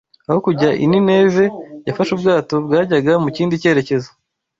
Aho kujya i Nineve yafashe ubwato bwajyaga mu kindi cyerekezo